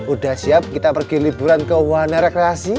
udah siap kita pergi liburan ke wahana rekreasi